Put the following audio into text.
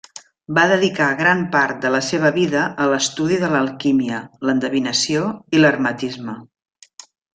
Va dedicar gran part de la seva vida a l'estudi de l'alquímia, l'endevinació i l'hermetisme.